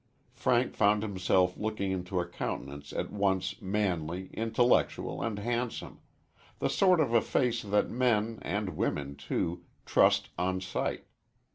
Frank found himself looking into a countenance at once manly, intellectual and handsome the sort of a face that men, and women, too, trust on sight.